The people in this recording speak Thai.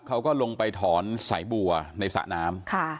เขาก็ลงไปถอนสายบัวในศาหนาม